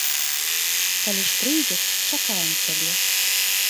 Калі ж прыйдзеш, чакаем цябе.